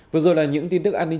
vừa rồi là những tin tức an ninh